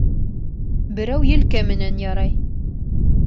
Берәү елкә менән ярай.